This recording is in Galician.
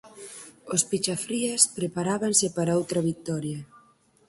Os pichafrías preparábanse para outra victoria.